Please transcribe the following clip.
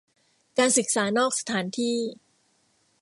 การศึกษานอกสถานที่